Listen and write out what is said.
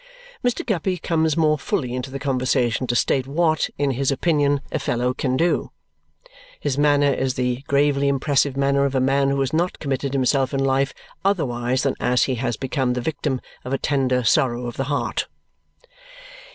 Mr. Guppy comes more fully into the conversation to state what, in his opinion, a fellow can do. His manner is the gravely impressive manner of a man who has not committed himself in life otherwise than as he has become the victim of a tender sorrow of the heart.